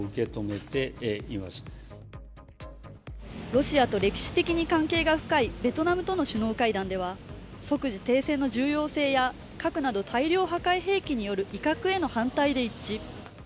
ロシアと歴史的に関係が深いベトナムとの首脳会談では即時停戦の重要性や核など大量破壊兵器による威嚇への反対で一致。